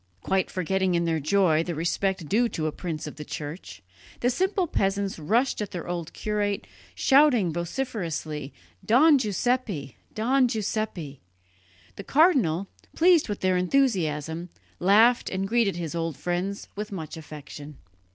Quite forgetting in their joy the respect due to a prince of the Church, the simple peasants rushed at their old curate, shouting vociferously, "Don Giuseppe! Don Giuseppe!" The cardinal, pleased with their enthusiasm, laughed and greeted his old friends with much affection.